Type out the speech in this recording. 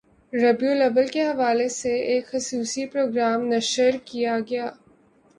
ربیع الاوّل کے حوالے سے ایک خصوصی پروگرام نشر کی گیا